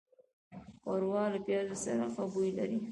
ښوروا له پيازو سره ښه بوی لري.